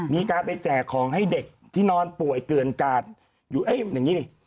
มีการไปแจกของให้เด็กที่นอนป่วยเกือนกาดอยู่อย่างนี้ดิ